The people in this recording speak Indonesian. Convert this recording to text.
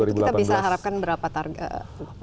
itu kita bisa harapkan berapa targa medali emasnya